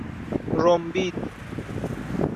رُمبید